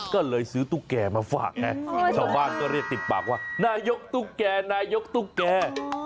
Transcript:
ก็เลยซื้อตุ๊กแก่มาฝากไงชาวบ้านก็เรียกติดปากว่านายกตุ๊กแก่นายกตุ๊กแก่